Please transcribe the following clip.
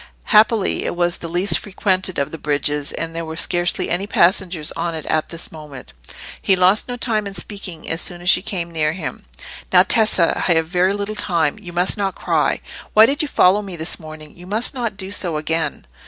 Happily it was the least frequented of the bridges, and there were scarcely any passengers on it at this moment. He lost no time in speaking as soon as she came near him. "Now, Tessa, I have very little time. You must not cry. Why did you follow me this morning? You must not do so again."